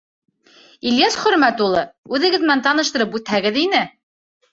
— Ильяс Хөрмәт улы, үҙегеҙ менән таныштырып үтһәгеҙ ине.